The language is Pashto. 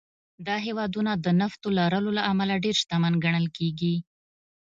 دا هېوادونه د نفتو لرلو له امله ډېر شتمن ګڼل کېږي.